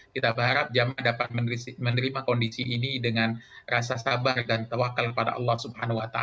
kita berharap jemaah dapat menerima kondisi ini dengan rasa sabar dan tawakal pada allah swt